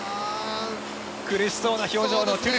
苦しそうな表情のトゥル。